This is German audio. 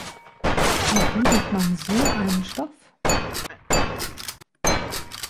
Wie bügelt man so einen Stoff?